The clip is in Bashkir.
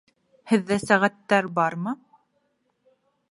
Һеҙҙә сәғәттәр бармы?